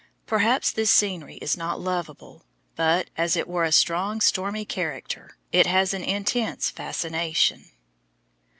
Perhaps this scenery is not lovable, but, as if it were a strong stormy character, it has an intense fascination.